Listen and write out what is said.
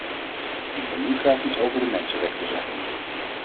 Ik wil nu graag iets over de mensenrechten zeggen.